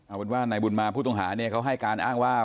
เอาเป็นว่านายบุญมาผู้ต้องหาเนี่ยเขาให้การอ้างว่า